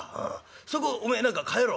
そこおめえ何か変えろ」。